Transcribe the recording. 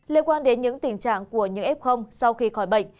liên quan đến những tình trạng của những f sau khi khỏi bệnh